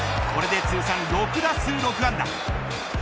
これで通算６打数６安打。